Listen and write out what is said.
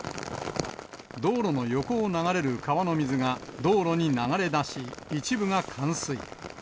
道路の横を流れる川の水が道路に流れ出し、一部が冠水。